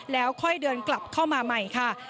แล้วค่อยเดินกลับเข้ามาใหม่ค่ะ